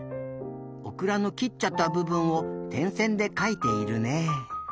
オクラの切っちゃったぶぶんをてんせんでかいているね。